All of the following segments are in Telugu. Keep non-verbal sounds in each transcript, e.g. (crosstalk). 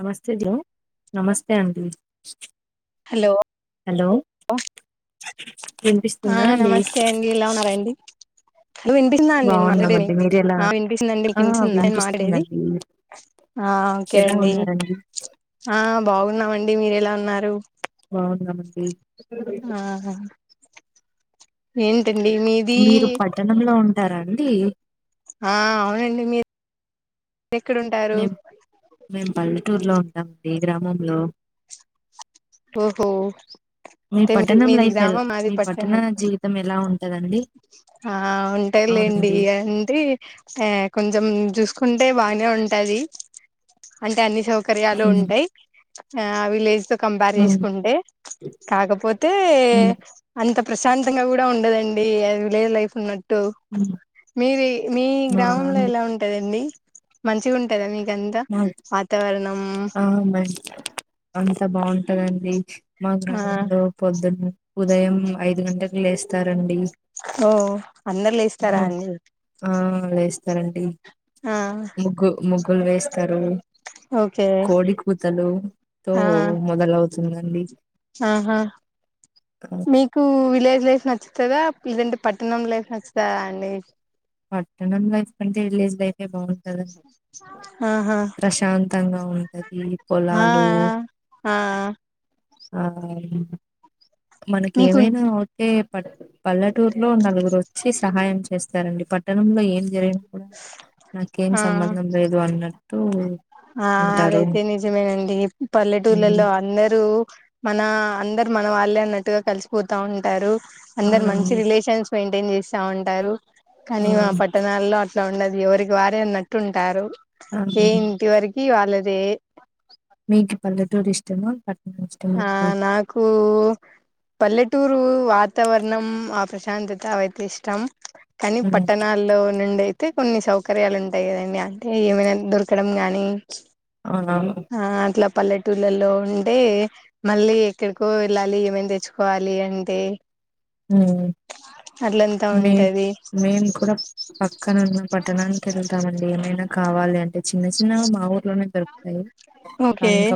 నమస్తే ద నమస్తే అంటీ హలోలో ఆ వినిపిస్తుందా అండి నమస్తే అండి ఇలా ఉన్నారండి నువ్వు వినిపిస్తుందా అండి నేను మాట్లాడేది బాగున్నామండి మీరు ఎలా ఆ వినిపిస్తుందండి ఆ కినిసిందా మాట్డేది వినిపిస్తుందండి ఆ ఓకే ఎలా అండి ఉన్నారండి ఆ బాగున్నామండి మీర ఎలా ఉన్నారు బావునమంది ఆహా ఏం మీరు పట్టణంలో ఉంటారాండి ఆ అవునండి మీరు ఎక్కడుంటారు మేము మేము పల్లెటూరులో ఉంటామ అండి గ్రామంలో ఓహో మీ అయితే మీది పట్టణం మీది లైఫ్ ఎ గ్రామం మాది మీ పట్టణ పట్టణం జీవితం ఎలా ఉంటందండి ఆ ఉంటాలేండి అంటే ఆ కొంచెం చూసుకుంటే బాగానే ఉ అంటే అన్ని సౌకర్యాలు ఉమ్ ఉంటాయి విల్ పేర్ చేసుకుంటే కాకపోతే ఉమ్ అంత ప్రశాంతంగా కూడా ఉండదండి అది విలేజ్ లైఫ్ ఉన్నట్టు టు ఉమ్ మీరు మీ ఆ గ్రామంలో అండి ఎలా ఉంటదండి మంచిగా ఉంటదా మీ గంత మా వాతావరణం అంత బాగుంటదండి మా ఆ గ్రామంలో పొద్దున్న ఉదయం ఐదు గంటలకు లేస్తారండి ఓ అందరులే ఇస్తారా ముగ్గు అండి ఆ వేస్తారండి ఆ ముగ్గు ముగ్గులు వేస్తారు ఓకే కోడి కూతలు తో ఆ మొదలవుతుందండి ఆహా ఆ, మీకు విలేజ్ లైఫ్ నచ్చ వస్తుదా ఇదంటే పట్టణం ఫ్ వచ్చా అండి పతనం లైఫ్ కంటే విల్లే అే బాగుంటందిండి ఆహా ప్రశాంతంగా ఉంటది ఆ పొలాలు ఆ ఆ ఆ మనకి మీకు ఏమైనా అవుతే ప పల్లెటూరులో నలుగురు వచ్చి సహాయం చేస్తారండి పట్టణంలో ఏం జరిగిిన నాకేం ఆ సంబంధం లేదు అన్నాటు ఆ అదైతే నిజమేనండి ఉమ్, పల్లెటూళ్లలో అందరూ మన అందరు మన వాళ్ళే అన్నట్టుగా కలిసిపోతా ఉంటారు అందరు మంచి అవునండి రిలేషన్స్ మెయింటైన్ చేస్తా ఉంటారు ఆ కానీ మా పట్టణాల్లో అట్లా ఉండది ఎవరికి వారే అన్నట్టు ఉంటారు ఆ ఏ ఇంటి వరక వాళ్ళదే మీకు (inaudible) హా అండి నాకు పల్లెటూరు వాతవరణం ప్రశాంతత వైతి ఇష్టం కానీ ఉమ్. పట్టణాల్లో నుండి అయితే కొన్ని సౌకర్యాలు ఉంటాయి కదండి అంటే ఏమైనా దొరకడం గానీ అవునా పల్లెటూళ్లలో ఉంటే మళ్ళీ ఎక్కడికో వెళ్ళాలి ఏమేమి తెచ్చుకోవాలి అంటే ఉ అట్లంతా మే ఉంటది మేము కూడా పక్కన ఉన్నా పట్టణానికి వెళ్తామండి ఏమైనా కావాలి అంటే చిన్న చిన్నగా మా ఊర్లోనే దొరుకుతాయి ఆ ఓకే ఇంకా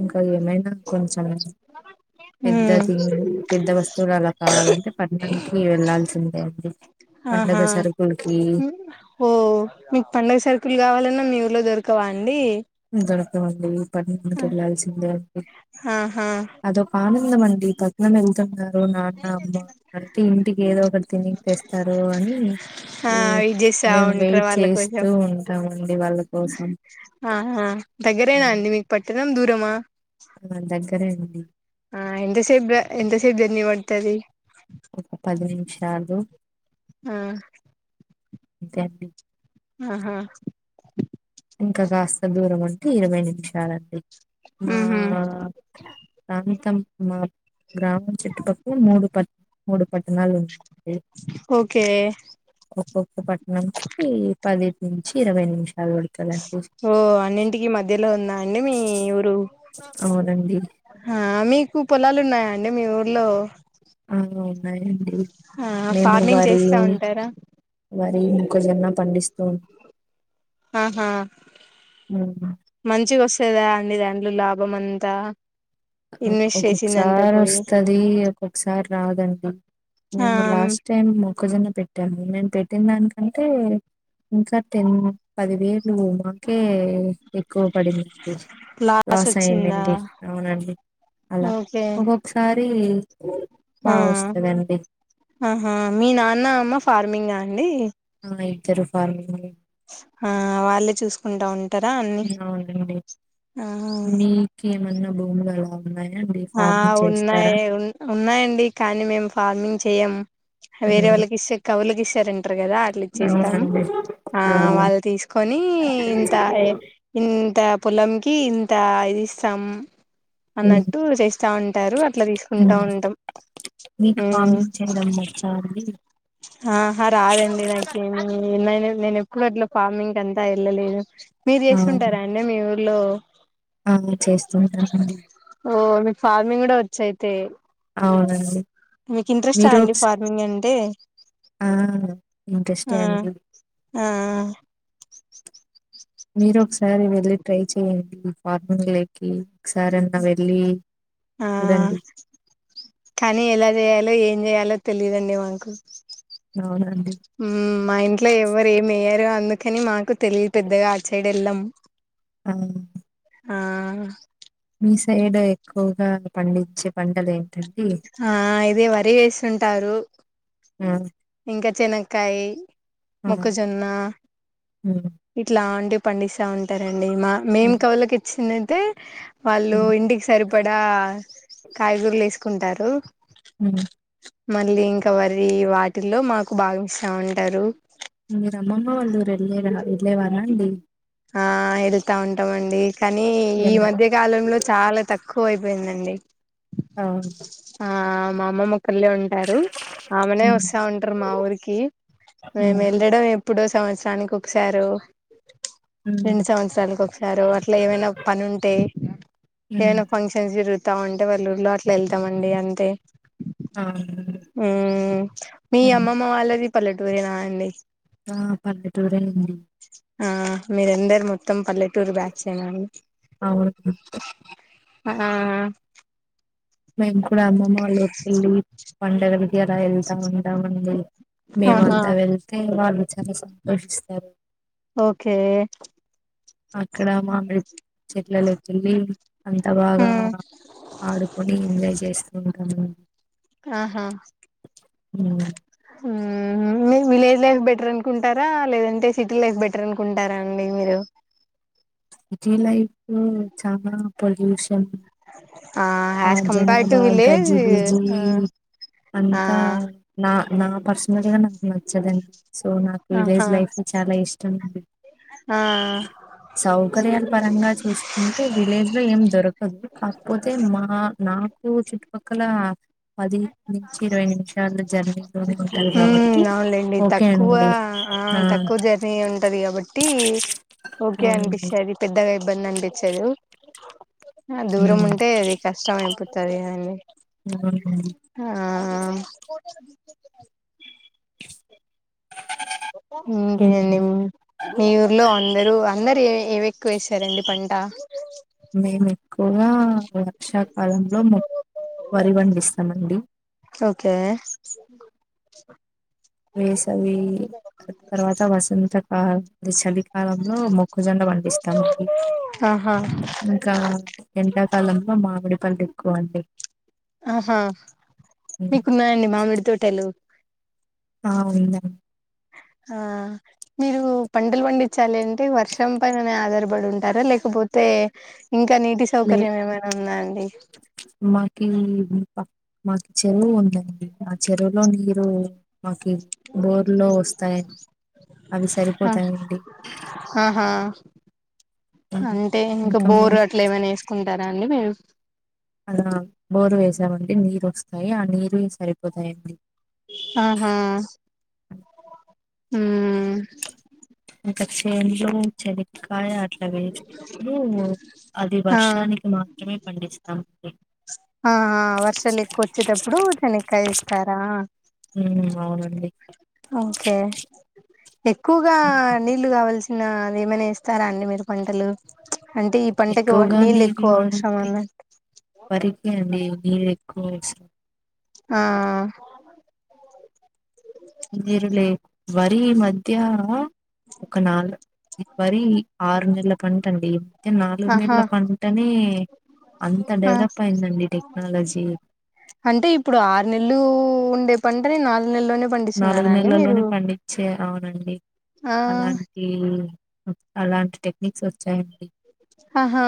ఇంకా ఏమైనా కొంచెం ఉమ్ పెద్దది పెద్ద వస్తు అలా కావాలంటే పట్టణానికి వెళ్లాాల్సిందే అండి పండగ ఆహా సరుకులకి ఓ మీకు పడుగ సరుకుల్ కావాలన్నా మీరు లో దొరకవండి ఉ దొరకవండి పతనానికి వేయాల్సిందే అండి ఆహా ందామండి పద్నం వెళ్తుాం ఓ నాన్న అమ్మ, అంటే ఇంటికి ఏదో ఒకటి తిన్నికి తెస్తారు అని. ఆ వెయిట్ చేస్తా మేమ్ ఉంటారు వెయిట్ వాళ్ళ కోసం చేస్తూ, ఉంటామండి వాళ్ళ కోసం. ఆహా, దగ్గరేనా అండి మీకు పట్టణం, దూరమా. ఆ దగ్గరే అండి. ఆ ఎంత సేప్ ద, ఎంత సేప్ జర్నీ పడ్తది. ఒక పది నిమిషాలు, ఆ అంతే అండి. ఆహా. ఇంకా కాస్త దూరం ఉంటే, ఇరవై నిమిషాలండి. మా ఉహు ప్రాంతం మా. గ్రామం చుట్టుపక్క మూడు పద్ మూడు. పట్టణాలు ఉన్న, ఓకే (inaudible) ఒక్కొక్క పట్టణంకి పది. నుంచి, ఇరవై నిమిషాలు పడ్త్. ఓ అన్నింటికి మధ్యలో ఉందా అండి, మీ ఊరు. అవునండి హా మీకు పొలాలు ఉన్నాయా అండి, మీ ఊర్లో. ఆ ఉన్నాయండి. ఆ మేము ఫార్మింగ్ వరి చేస్తా ఉంటారా. వరి, మొక్కజొన్న పండిస్తు. ఆహా మంచిగోస్తదా అండీ, దాన్ లాభం అంతా. ఇన్వెస్ట్ చేసిందంతా ఒక్కొక్కసార్ పోయి ఓస్తాది, ఒక్కొక్కసారి రాదండి. ఆ మేము లాస్ట్ టైం మొక్కజొన్న పెట్టాము, మేము పెట్టిన దానికంటే, ఇంకా టెన్, పదివేలు మాకే కే, ఎక్కువ పడిందండి, లాస్ అయి ఉండింది, అవునండి. అలా, ఓకే ఒకొక్కసారి ఆ ఆహా, మీ నాన్న, అమ్మ ఫార్మింగా అండి. ఆ ఇద్దరు ఫార్మింగే. హా వాళ్ళే చూసుకుంటా ఉంట్, అవునండి. మీకేమన్నా భూములు అలా? ఉన్నాయా అండి ఆ ఫార్మింగ్ చేస్తారా ఉన్నాయి ఉన్నాయండి. కానీ మేము ఫార్మింగ్ చెయ్యం. వేరే ఉమ్, వాళ్ళకి ఇస్తే, కవులకి ఇస్తారంటారు కదా. అట్ల ఇచ్చేస్తామ్. అవునండి ఆ వాళ్ళు తీసుకొని, ఇంత, ఏ ఇంతా పొలంకి ఇంత ఇది ఇస్తాం, ఉమ్, అన్నట్ ట్టు, చేస్తా ఉంటారు. అట్లా తీసుకుంటా ఉమ్. ఉంటాం. మీకు ఫార్మింగ్ చేయడం వచ్చా అండి ఆహా రాదండి నాకేమీ. ఏమైనా నేను ఎప్పుడు అట్లా ఫార్మింగ్ అంతా ఏళ్ళలేదు. మీరు ఆ చేస్తుంటారా అండి, మీ ఊర్ లో? ఆ చేస్తుంటానండి. ఓ మీక్ ఫార్మింగ్ గుడా ఓచ్చైతే. అవునండి. మీక్ ఇంట్రెస్ట మీరు అండి, ఒకసారి ఫార్మింగ్ అంటే? ఆ ఇంట్రెస్టే ఆ అండి. ఆ మీరు ఒకసారి వెళ్ళి ట్రై చెయండి, ఫార్మింగ్ లేకి ఒక్కసారన్న వెళ్ళి. ఆ, చూడండి కానీ జేయాలో, ఏం జేయాలో తెలిదండి మా. అవునా అండి. మా ఇంట్లో ఎవరు ఏయ్యారూ, అందుకని మాకు తెలిదు, పెద్దగా ఆట్ సైడ్ ఎళ్ళం. ఆమ్. ఆ ఆ. మీ సైడ్ ఎక్కువగా, పండించ్చే ఆ ఇదే వరి ఏసుంటారు. ఆ ఇంకా చెనక్కాయి, ఆ మొక్కజొన్న ఉమ్ ఇట్లాంటి పండిస్తా ఉంటారండి మా మేం ఉమ్ కవులకి ఇచ్చిందయితే వాళ్ళు ఉమ్ ఇంటికి సరిపడా కాయగూరలు ఏసుకుంటారు. ఉమ్ మళ్ళీ ఇంకా వరి వాటిల్లో మాకు బాగా ఇస్తా ఉంటారు. మీరు అమ్మమ్మ వాళ్ళఊరు వెళ్లేరా వెళ్ళేవారా అండి? ఆ ఎడుతా ఉంటామండి కానీ ఈ ఎలా మధ్య కాలంలో చాలా తక్ కో అయిపోయిందండి. అ మ అమ్మమ్మ పల్లె ఉంటారు, ఆమెనే ఉమ్ వస్తా ఉంటారు మా ఊరికి, ఉమ్ మేమెల్ళడం ఎప్ ఇప్పుడో సంవత్సరానికి ఒకసారో రెండు ఉమ్ సంవత్సరాలకు ఒకసారో అట్లా ఏమైనా పని ఉంటే, ఏమైనా ఫంక్షన్స్ జరుగు తా ఉంటే వల్లూరులో అట్లా ఎళ్తామండి అంతే. ఆ ఉమ్ మీ అమ్మమ్మ వాళ్ళది పల్లెటూరేనా అండి. ఆ పల్లెటూరే అండి. ఆ మీరందరు మొత్తం పల్లె టూరు బ్యాచ్ ఏనా అండి. అవును ఇప్పుడు అమ్మమ్మ వాళ్ళ ఊరికి ఎళ్ళి, పండగలకి ఎలా వెళ్తా ఉంటామండి. ఆహా మేమంతా వెళ్తే వాళ్ళు చాలా సంతోషిస్తారు. ఓకే అక్కడ మామిడి చెట్లలోకెళ్లి అంత బాగా మ్మ్ ఆడుకొని ఎంజాయ్ చేస్తూ ఉంటాము. ఆహా ఉమ్ విలేజ్ లైఫ్ బెటర్ అనుకుంటారా లేదంటే సిటీ లైఫ్ బెటర్ అనుకుంటారా అండి మీరు? సిటీలైఫ్ చనా పొల్యూషన్ ఆ జనాభా గజిబిజి అంతా నా నా పర్సనల్ గా నాకు నచ్చదండి, సో నాకు ఆహా విలేజ్ లైఫ్ చాలా ఇష్టం అండి. ఆ సౌకర్యపరంగా చూసుకుంటే విలేజ్ లో ఏం దొరకదు, కాకపోతే మా నాకు చుట్టుపక్కల పది నుంచి ఇరవై నిమిషాలు జర్నీలోనే ఉంటారు ఉమ్ కాబట్టి, అవునులేండి ఓకే తక్కువ అండి. ఆ తక్కువ జర్నీ ఉంటది కాబట్టి. ఓకే అవునండి అనిపిస్తది పెద్దగా ఇబ్బంది అనిపిచదు. ఆ దూరం ఉమ్, ఉంటే అది కష్టం అయిపోతది కద అండి. అవునండి ఆ ఇంకేంది ఉమ్, నిమ్ మీ ఊర్లో అందరు అందరు ఏ ఇవే రండి పంట మేము ఎక్కువగా వర్షాకాలంలో మొక్ వరి పండిస్తామండి. ఏ వేసవి తర్వాత వసంత కాల్ చలికాలంలో మొక్కజొండ పండిస్తామండి. ఆహా ఇంకా ఎండాకాలంలో మామిడిపల్ ఎక్కువ అండి. ఆహా ఉమ్, మీకున్నాయండి మామిడి తోటలు? ఆ ఉందా? ఆ మీరు పంటలు పండించాలి అంటే వర్షం పైననే ఆధారపడి ఉంటారా, లేకపోతే అతే ఇంకా నీటి లే సౌకర్యం ఏమైనా ఉందా అండి మాకి మాకు చెరువు ఉందండి ఆ చెరువులో నీరు మాకు బోర్లో వస్తాయి అవి సరిపోతాయంండి ఆహా అంటే ఇంకా బోరు అట్లా ఏమైనా వేసుకుంటారా అండి మీరు స్తాయి ఆ నీరు సరిపోతాయండి ఆహా హ ఇంక చేన్లో చెనిక్కాయ అట్ల ినప్పుడు అది ఆ వర్షానికి మాత్రమే పండిస్తామండి ఆా వర్ష ఎకు వచ్చినప్పుడు తన కైస్తస్తారా ఉమ్, అవునండి ఓకే ఎక్కువగా ఉమ్. నీళ్లు కావాల్సి నా అదేమైనా ఇస్తారా అండి మీరు పంటలు అంటే ఈ పంటకి ఎక్కువగా నీళ్ళు ఎక్కువ నీళ్లో అవసరం ఉంటే అన్నట్టు వరికే అండి ఏకు ఆ మీరు లే వరి మధ్య ఒకనాాలుగు మరి ఆరు నెలల పంట అండి మ నాలుగు ఆహా నెలల పంటనే అంత ఆ డెవలప్ అయిందండి టెక్నాలజీ అంటే ఇప్పుడు ఆరు నెలలు ఉండే పండ్ర నాాలు నాలుగు నెలల్లోనే పండించే అవునండి ఆ అలాంటి అలాంటి టెక్నిక్స్ వచ్చాయండి ఆహా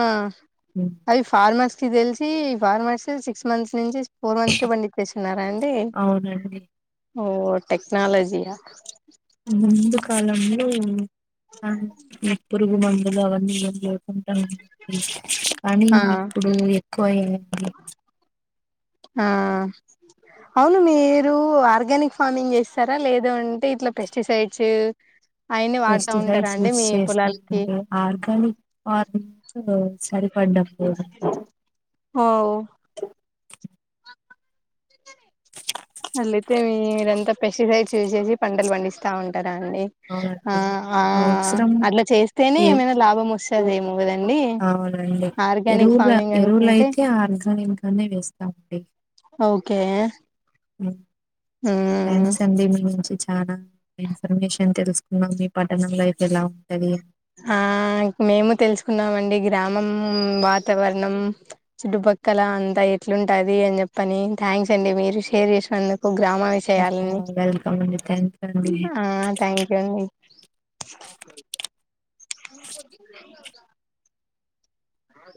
హ్మ్. అవి ఫార్మర్స్ కి తెలిసి ఫార్మర్స్ సిక్స్ మంత్స్ నుంచి ఫోర్ మంత్స్ కి పండిత్ేస్తున్నారా అండి అవునండి ఓ టెక్నాలజీ ముందు కాలంలో పురుగు మందులు అవన్నీ మందు కానీ ఆ ఇప్పుడు ఎక్కువ అంది ఆ అవును మీరు ఆర్గానిక్ ఫార్మింగ్ చేస్తారా లేద అంటే ఇట్లా పెస్టిసైడ్స్ అయన్ని వాడుతా ఉంటారా పెస్టిసైడ్స్ అండి యూస్ మీ పొలాలకి చేస్తాంటే ఆర్గానిక్ ఆర్ సరిపడ్డా ఓే ఓ అల్లి అయితే మీరంతా పెస్టిసైడ్స్ చూేసి పంటలు పండిస్తా ఉంటారు అం ఆ అవునండి. ఆ అవసరం అట్లా చేస్తేనే ఎ ఏమైనా లాభం వస్తుది ఏమో కదండి అవునండి ఆర్గానిక్ ఎరువుల ఫార్మింగ్ అనుకుంటే ఎరువులయితే ఆర్గానిక్ గానే వేస్తామండి ఓకే మ్మ్ థ్యాంక్స్ అండి మీ నుంచి చాలా ఇన్ఫర్మేషన్ అని తెలుసుకున్నాం మీ పట్టణంలో అయితే ఎలా ఉంటుది ఆ మేము తెలుసుకున్నామండి గ్రామం వాతావరణం చుట్టుపక్కల అంతా ఎట్లుంటది అని చెప్పని థ్యాంక్స్ అండి మీరు షేర్ చేసినందుకు గ్రామన్ని హ్మ్. చేయాలండి వెల్కమ్ అండి. థ్యాంక్ యూ అండి. ఆ థ్యాంక్ యూ అండి